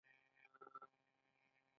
د میوو حاصلات د بزګرانو خوشحالي ده.